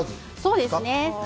そうですね。